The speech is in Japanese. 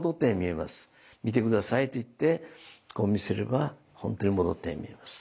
「見て下さい」と言ってこう見せれば本当に戻ったように見えます。